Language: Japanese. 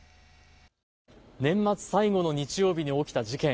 年末最後の日曜日に起きた事件。